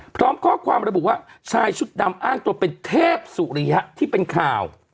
พร้อมข้อความระบุว่าชายชุดดำอ้างตัวเป็นเทพสุริยะที่เป็นข่าว